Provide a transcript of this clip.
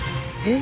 え？